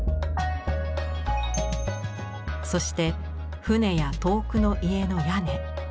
そして舟や遠くの家の屋根。